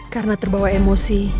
karena terbawa emosi